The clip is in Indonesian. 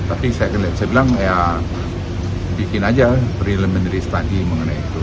tapi saya bilang ya bikin aja preliminary study mengenai itu